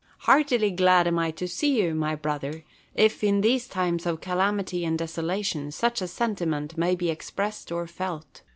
Heartily glad am I to see you, my brother, if, in these times of calamity and desolation, such a sentiment may be expressed or felt.